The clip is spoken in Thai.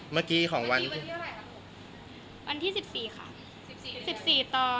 เมื่อกี้ของวันที่